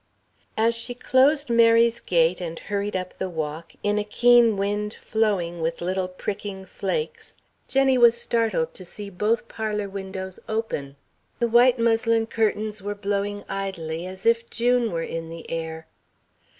As she closed Mary's gate and hurried up the walk, in a keen wind flowing with little pricking flakes, Jenny was startled to see both parlour windows open. The white muslin curtains were blowing idly as if June were in the air.